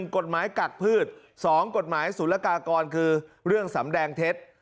กฎหมายกักพืช๒กฎหมายศูนยากากรคือเรื่องสำแดงเท็จ